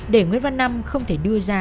để nguyễn văn năm không thể đưa ra